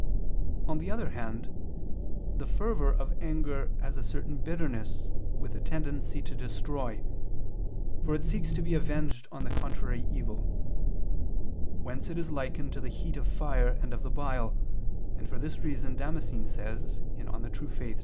On the other hand, the fervor of anger has a certain bitterness with a tendency to destroy, for it seeks to be avenged on the contrary evil: whence it is likened to the heat of fire and of the bile, and for this reason Damascene says (De Fide Orth.